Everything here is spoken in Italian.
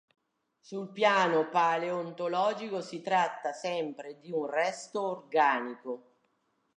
Sul piano paleontologico si tratta sempre di un resto organico.